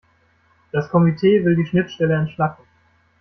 Das Komitee will die Schnittstelle entschlacken.